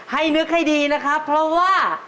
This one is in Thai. ให้นึกให้ดีนะครับเพราะว่า